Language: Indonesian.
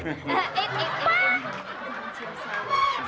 jangan cium sama